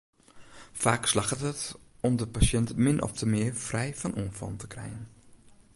Faak slagget it om de pasjint min ofte mear frij fan oanfallen te krijen.